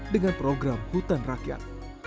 dengan program hutan rakyat